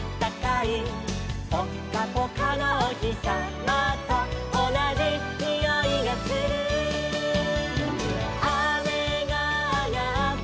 「ぽっかぽかのおひさまとおなじにおいがする」「あめがあがったよ」